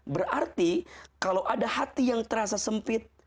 berarti kalau ada hati yang terasa sempit